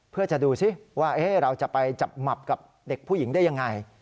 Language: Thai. เพื่อจะดูซิว่าเราจะไปจับหมับกับเด็กผู้หญิงได้ยังไง